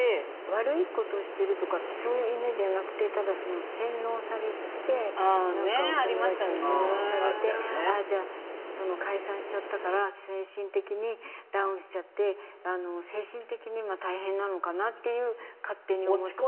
悪いことしてるとかそういうイメージではなくて、なんか、お友達に洗脳されてじゃあ、解散しちゃったから精神的にダウンしちゃって、精神的に今、大変なのかなって勝手に思ってました。